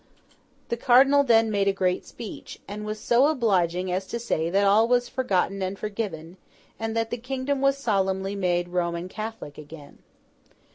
The Cardinal then made a great speech, and was so obliging as to say that all was forgotten and forgiven, and that the kingdom was solemnly made Roman Catholic again.